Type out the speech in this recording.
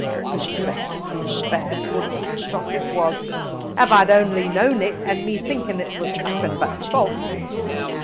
Too bad ! too bad ! for dust shot it was, av I'd only known it, an' me thinkin' it was nothin' but salt.